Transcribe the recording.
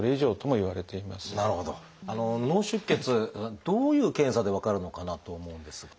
脳出血どういう検査で分かるのかなと思うんですが。